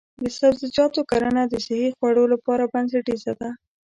د سبزیجاتو کرنه د صحي خوړو لپاره بنسټیزه ده.